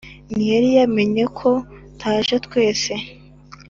ntiyari yamenye ko taje twese